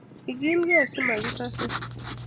Ikilkei si makisasin